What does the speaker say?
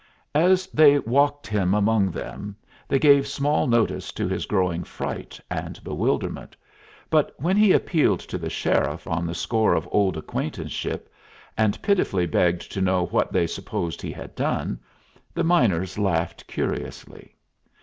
As they walked him among them they gave small notice to his growing fright and bewilderment, but when he appealed to the sheriff on the score of old acquaintanceship, and pitifully begged to know what they supposed he had done, the miners laughed curiously.